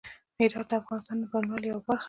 هرات د افغانستان د بڼوالۍ یوه برخه ده.